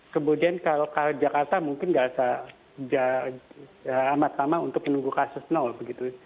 kemudian kalau jakarta mungkin tidak amat sama untuk menunggu kasus nol begitu